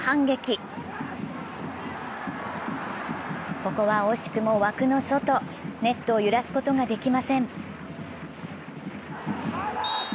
ここは惜しくも枠の外、ネットを揺らすことができません。